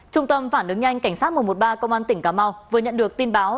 trung tâm phản ứng nhanh cảnh sát một trăm một mươi ba công an tỉnh cà mau vừa nhận được tin báo